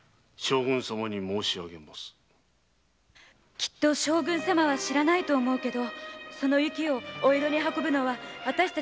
「きっと将軍様は知らないと思うけどその雪をお江戸に運ぶのは私たち農民の働き手なんです」